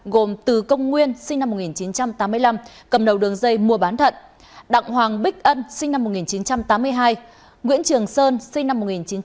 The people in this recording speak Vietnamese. gồm từ công nguyên sinh năm một nghìn chín trăm tám mươi năm cầm đầu đường dây mua bán thận đặng hoàng bích ân sinh năm một nghìn chín trăm tám mươi hai nguyễn trường sơn sinh năm một nghìn chín trăm tám mươi